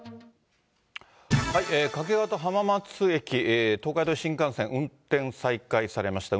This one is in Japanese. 掛川と浜松駅、東海道新幹線、運転再開されました。